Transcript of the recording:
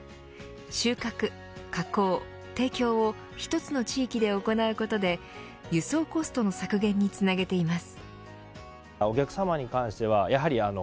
収穫、加工、提供を一つの地域で行うことで輸送コストの削減につなげています。